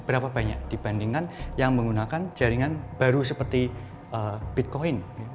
berapa banyak dibandingkan yang menggunakan jaringan baru seperti bitcoin